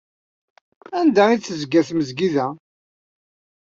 Anda i d-tezga tmezgida?